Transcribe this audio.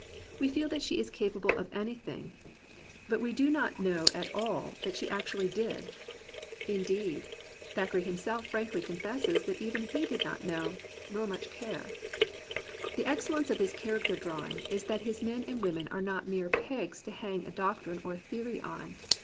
We feel that she is capable of any thing; but we do not know all that she actually 121 COMPANIONABLE BOOKS did, — indeed Thackeray himself frankly confessed that even he did not know, nor much care. The excellence of his character drawing is that his men and women are not mere i>egs to hang a doctrine or a theory on.